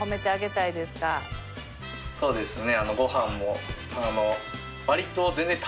そうですね。